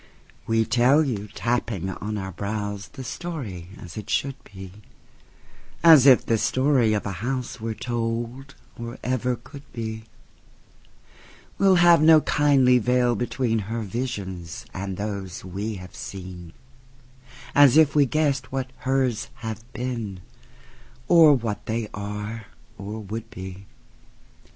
We tell you, tapping on our brows, The story as it should be,—As if the story of a houseWere told, or ever could be; We'll have no kindly veil betweenHer visions and those we have seen,—As if we guessed what hers have been, Or what they are or would be.